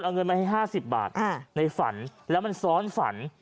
ในฝันแล้วมันซ้อนฝัน